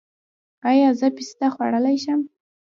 ایا زه پسته خوړلی شم؟